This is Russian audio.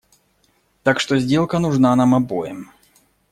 Так что сделка нужна нам обоим.